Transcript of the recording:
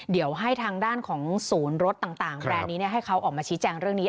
เดี๋ยวให้ทางด้านของศูนย์รถต่างแบรนด์นี้ให้เขาออกมาชี้แจงเรื่องนี้